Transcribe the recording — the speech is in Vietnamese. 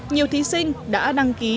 nhiều thí sinh đã đăng ký